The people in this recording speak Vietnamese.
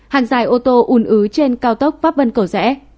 hàng dài ô tô ủn ứ trên cao tốc pháp vân cổ rẽ